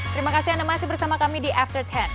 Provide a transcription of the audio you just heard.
terima kasih anda masih bersama kami di after sepuluh